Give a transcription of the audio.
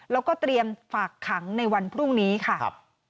แล้วก็เตรียมฝากขังในวันพรุ่งนี้ค่ะ